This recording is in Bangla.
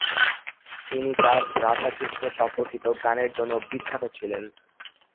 তিনি তার রাধা-কৃষ্ণ সম্পর্কিত গানের জন্য বিখ্যাত ছিলেন।